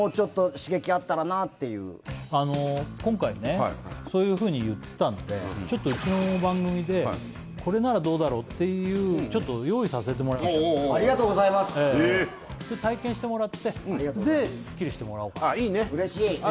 それまだあの今回ねそういうふうに言ってたんでちょっとうちの番組でこれならどうだろうっていうちょっと用意させてもらいましたありがとうございます体験してもらってありがとうございますあっいいね嬉しい！